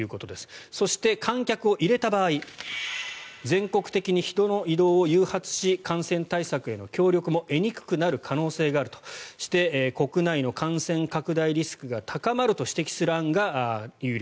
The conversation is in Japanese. そして、観客を入れた場合全国的に人の移動を誘発し感染対策への協力も得にくくなる可能性があるとして国内の感染拡大リスクが高まると指摘する案が有力。